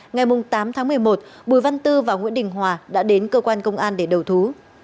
ngày tám tháng một mươi một bùi văn tư và nguyễn đình hòa đã đến cơ quan công an để đầu thú